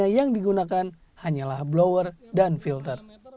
yang digunakan hanyalah blower dan filter